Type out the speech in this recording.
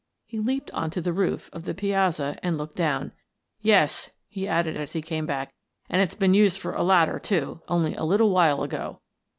He leaped on to the roof of the piazza and looked down. "Yes>" he added, as he came back, "and ifs A Mysterious Disappearance 55 been used for a ladder, too, only a little while ago.